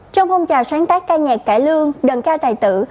trong phong trào sáng tác ca nhạc cải lương đơn ca tài tử